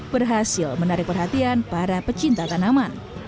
berhasil menarik perhatian para pecinta tanaman